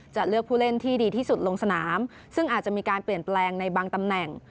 จะเลือกผู้เล่นที่ดีที่สุดลงสนามซึ่งอาจจะมีการเปลี่ยนแปลงในบางตำแหน่ง